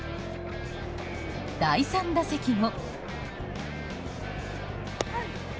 第３打席も。